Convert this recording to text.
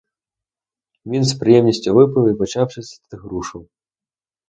Він з приємністю випив і почав чистити грушу.